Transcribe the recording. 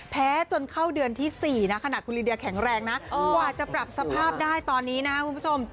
จนเข้าเดือนที่๔นะขณะคุณลีเดียแข็งแรงนะกว่าจะปรับสภาพได้ตอนนี้นะคุณผู้ชม